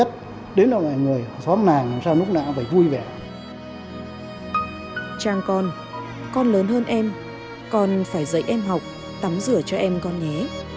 trang con con lớn hơn em còn phải dạy em học tắm rửa cho em con nhé